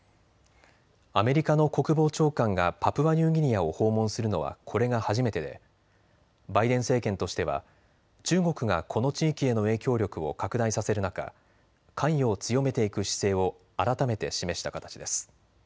アメリカの国防長官がパプアニューギニアを訪問するのはこれが初めてでバイデン政権としては中国がこの地域への影響力を拡大させる中、関与を強めていく姿勢を改めて示した形です。